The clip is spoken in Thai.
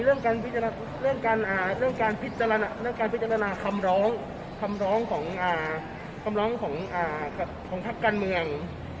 เรื่องการพิจารณาคำร้องของภาคการเมือง